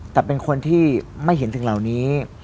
แต่เป็นคนที่ไม่เห็นสิ่งเหล่านี้